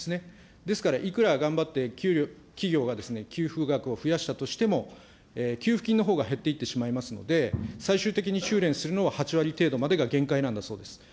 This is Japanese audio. ですからいくら頑張って企業が給付額を増やしたとしても、給付金のほうが減っていってしまいますので、最終的に収れんするのは８割程度までが限界なんだそうです。